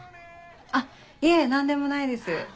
あっいえ何でもないです。